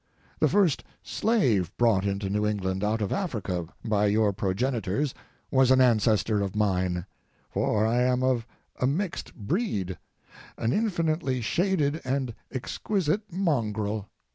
The first slave brought into New England out of Africa by your progenitors was an ancestor of mine—for I am of a mixed breed, an infinitely shaded and exquisite Mongrel.